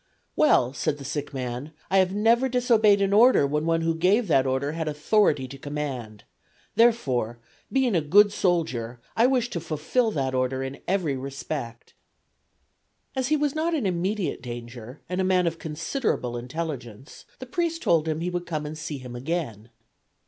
"Well," said the sick man, "I have never disobeyed an order when one who gave that order had authority to command. Therefore being a good soldier I wish to fulfill that order in every respect." As he was not in immediate danger and a man of considerable intelligence the priest told him he would come and see him again.